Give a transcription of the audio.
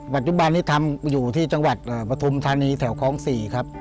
ปัจจุบันนี้ทำอยู่ที่จังหวัดปฐุมธานีแถวคลอง๔ครับ